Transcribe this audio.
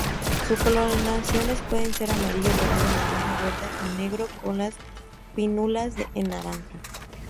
Sus coloraciones pueden ser amarillo, dorado-naranja, verde o negro con las pínnulas en naranja.